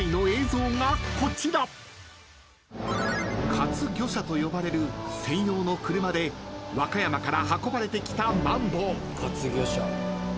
［活魚車と呼ばれる専用の車で和歌山から運ばれてきたマンボウ］